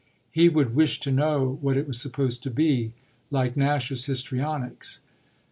He would wish to know what it was supposed to be, like Nash's histrionics.